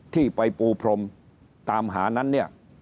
ที่ไปปูพรมตามหานั้นเนี่ย